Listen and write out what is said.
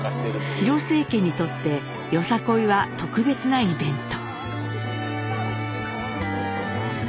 広末家にとってよさこいは特別なイベント。